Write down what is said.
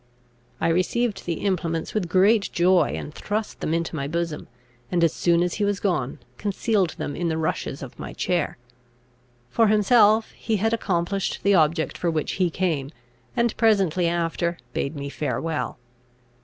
I received the implements with great joy, and thrust them into my bosom; and, as soon as he was gone, concealed them in the rushes of my chair. For himself he had accomplished the object for which he came, and presently after bade me farewell.